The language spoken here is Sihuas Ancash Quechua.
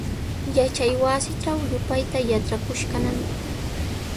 Yachaywasitraw yupayta yatrakushqanami.